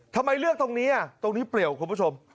ทำไมเลือกตรงนี้ตรงนี้เปรียวคุณผู้ชม